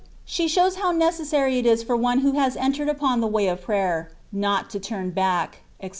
SHE SHOWS HOW NECESSABT IT IS FOR 0N£ WHO HAS ENTERED UPON THE WAY OP PRAYER, NOT TO TURN BACK, ETC.